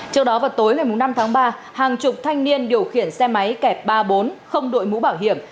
trước đó vào tối một mươi năm tháng ba hàng chục thanh niên điều khiển xe máy kẹp ba bốn không đội mũ bảo hiểm